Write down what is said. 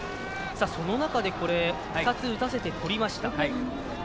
その中で２つ、打たせてとりました。